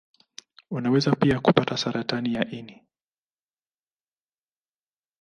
Unaweza pia kupata saratani ya ini.